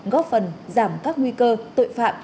góp phần giảm các nguy cơ tội phạm